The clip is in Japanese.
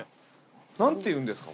何ていうんですか？